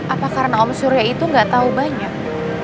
apa karena om surya itu nggak tahu banyak